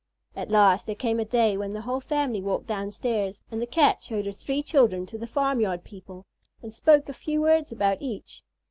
At last there came a day when the whole family walked downstairs, and the Cat showed her three children to the farmyard people and spoke a few words about each.